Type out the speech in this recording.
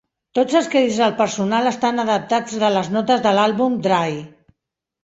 Tots els crèdits del personal estan adaptats de les notes de l'àlbum "Dry".